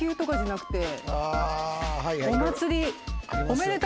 お祭り。